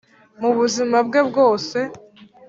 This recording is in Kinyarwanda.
mubuzima bwe bwose